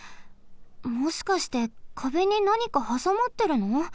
もしかして壁になにかはさまってるの？